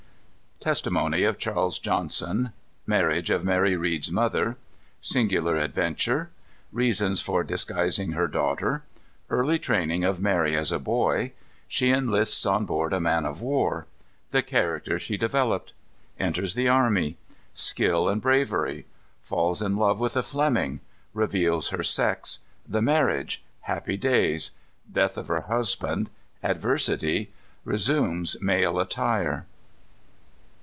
_ Testimony of Charles Johnson. Marriage of Mary Read's Mother. Singular Adventure. Reasons for Disguising her Daughter. Early Training of Mary as a Boy. She Enlists on board a Man of war. The Character she Developed. Enters the Army. Skill and Bravery. Falls in Love with a Fleming. Reveals her Sex. The Marriage. Happy Days. Death of her Husband. Adversity. Resumes Male Attire.